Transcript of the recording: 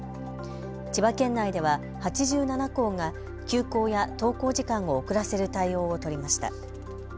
千葉県内では８７校が休校や登校時間を遅らせる対応を取りました。